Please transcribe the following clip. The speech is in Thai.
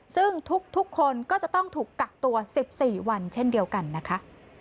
ซึ่งทุกคนก็จะต้องถูกกักตัว๑๔วันเช่นเดียวกันนะคะ